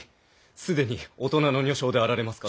既に大人の女性であられますかと。